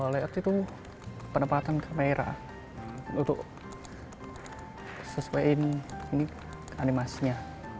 layout itu penempatan kamera untuk sesuai ini animasinya